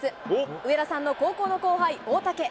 上田さんの高校の後輩、大竹。